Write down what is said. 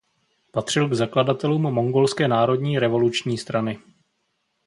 Patřil k zakladatelům Mongolské národní revoluční strany.